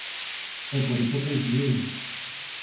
E por iso coincidimos.